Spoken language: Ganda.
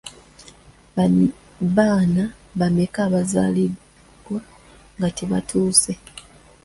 Baana bameka abazaalibwa nga tebatuuse?